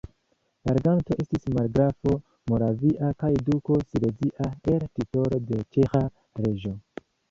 La reganto estis margrafo moravia kaj duko silezia el titolo de ĉeĥa reĝo.